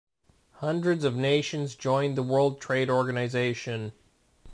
Hundreds of nations joined the World Trade Organization.